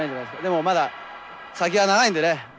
でもまだ先は長いんでね。